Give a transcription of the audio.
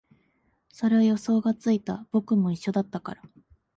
それは予想がついた、僕も一緒だったから